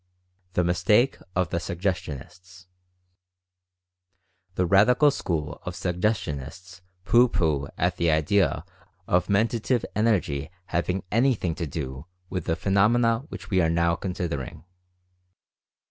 THE MISTAKE OF THE SUGGESTIONISTS. The radical school of Suggestionists pooh pooh at the idea of Mentative Energy having anything to do with the phenomena which we are now considering.